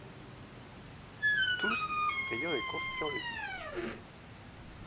Tous, riant et conspuant le disque.